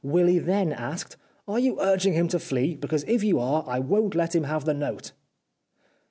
Willy then asked, ' Are you urging him to flee ? Because if you are, I won't let him have the note.'